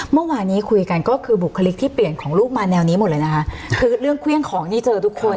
เมื่อวานนี้คุยกันก็คือบุคลิกที่เปลี่ยนของลูกมาแนวนี้หมดเลยนะคะคือเรื่องเครื่องของนี่เจอทุกคน